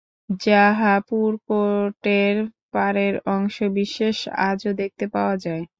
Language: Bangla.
জাঁহাপুর কোটের পাড়ের অংশ বিশেষ আজও দেখতে পাওয়া যায়।